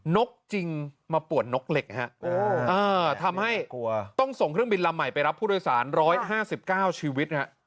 นกจริงมาปวดนกเหล็กทำให้ต้องส่งเครื่องบินลำใหม่ไปรับผู้โดยสาร๑๕๙ชีวิต